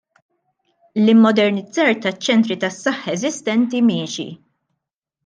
L-immodernizzar taċ-ċentri tas-saħħa eżistenti miexi.